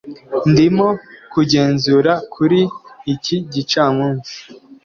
ndimo kugenzura kuri iki gicamunsi.